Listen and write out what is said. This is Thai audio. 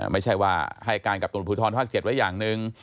ไม่ใช่ว่าให้การกับตำรวจภูทรภาค๗ไว้อย่างหนึ่ง